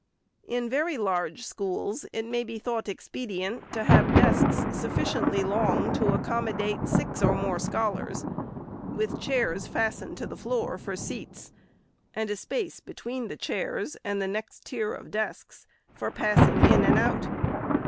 In very large schools, it may be thought expedient to have desks, sufficiently long to accommodate six or more scholars, with chairs, fastened to the floor, for seats, and a space between the chairs and the next tier of desks, for passing in and out.